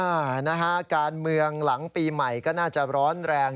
นะฮะการเมืองหลังปีใหม่ก็น่าจะร้อนแรง